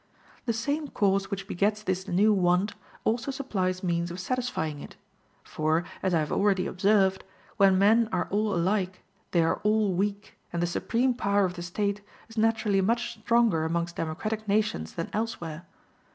The same cause which begets this new want also supplies means of satisfying it; for, as I have already observed, when men are all alike, they are all weak, and the supreme power of the State is naturally much stronger amongst democratic nations than elsewhere.